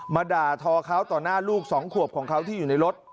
ด่าทอเขาต่อหน้าลูกสองขวบของเขาที่อยู่ในรถ